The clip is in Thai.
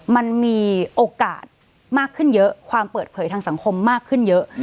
มันมีโอกาสมากขึ้นเยอะความเปิดเผยทางสังคมมากขึ้นเยอะ